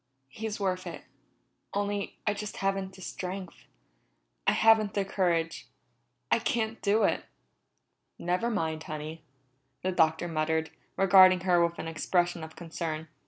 "He's worth it only I just haven't the strength. I haven't the courage. I can't do it!" "Never mind, Honey," the Doctor muttered, regarding her with an expression of concern.